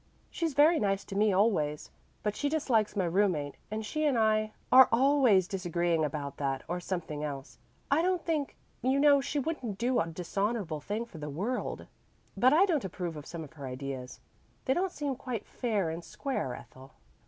She's very nice to me always, but she dislikes my roommate and she and I are always disagreeing about that or something else. I don't think you know she wouldn't do a dishonorable thing for the world, but I don't approve of some of her ideas; they don't seem quite fair and square, Ethel."